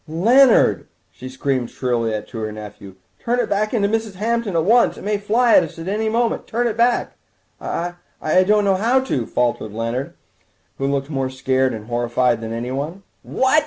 "Leonard!" she screamed shrilly to her nephew, "turn it back into Mrs. Hampton at once! It may fly at us at any moment. Turn it back!" "I—I don't know how to," faltered Leonard, who looked more scared and horrified than anyone. "What!"